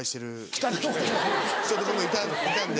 人とかもいたんで。